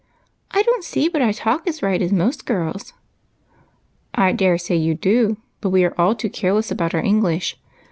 I don't see but I talk as right as most girls." " I dare say you do, but we are all too careless about our English.